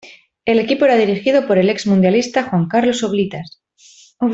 El equipo era dirigido por el ex mundialista Juan Carlos Oblitas.